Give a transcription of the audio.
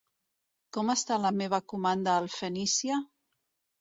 Com està la meva comanda al Fenicia?